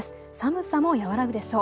寒さも和らぐでしょう。